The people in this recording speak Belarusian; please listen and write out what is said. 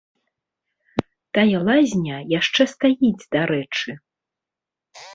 Тая лазня яшчэ стаіць, дарэчы.